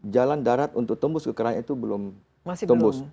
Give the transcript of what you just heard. jalan darat untuk tembus ke kran itu belum tembus